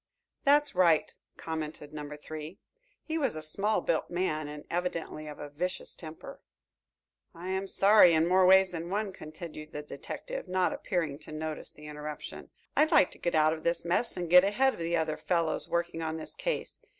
"That's right," commented Number Three. He was a small built man and evidently of a vicious temper. "I am sorry in more ways than one," continued the detective, not appearing to notice the interruption. "I'd like to get out of this mess and get ahead of the other fellows working on this case.